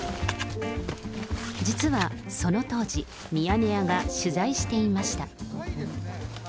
実はその当時、ミヤネ屋が取材していました。